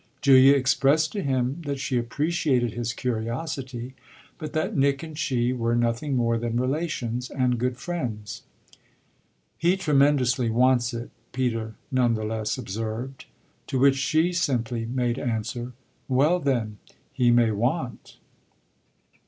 Julia expressed to him that she appreciated his curiosity, but that Nick and she were nothing more than relations and good friends. "He tremendously wants it," Peter none the less observed; to which she simply made answer, "Well then, he may want!"